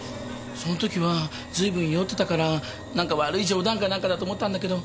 その時は随分酔ってたから何か悪い冗談か何かだと思ったんだけど。